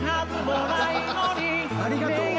ありがとう。